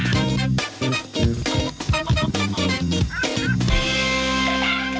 เพิ่มเวลา